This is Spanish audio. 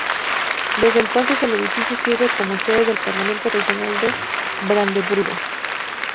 Desde entonces el edificio sirve como sede del Parlamento Regional de Brandeburgo.